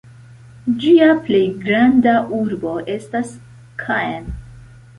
Ĝia plej granda urbo estas Caen.